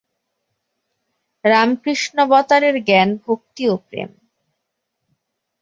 রামকৃষ্ণাবতারে জ্ঞান ভক্তি ও প্রেম।